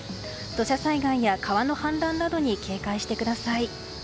土砂災害や川の氾濫などに警戒してください。